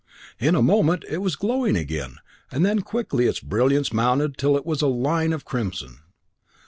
In a moment it was glowing again, and then quickly its brilliance mounted till it was a line of crimson.